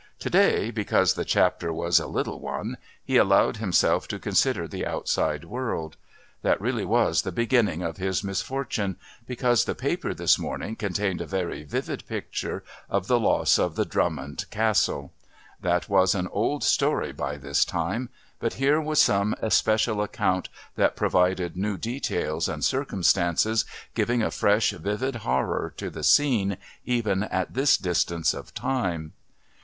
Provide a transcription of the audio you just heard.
To day, because the Chapter was a little one, he allowed himself to consider the outside world. That really was the beginning of his misfortune, because the paper this morning contained a very vivid picture of the loss of the Drummond Castle. That was an old story by this time, but here was some especial account that provided new details and circumstances, giving a fresh vivid horror to the scene even at this distance of time.